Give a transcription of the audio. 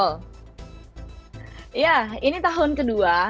iya ini tahun kedua